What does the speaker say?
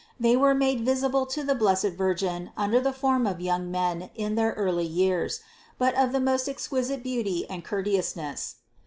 They were made visible to the blessed Virgin under the form of young men in their early years, but of the most exquisite beauty and courteousness.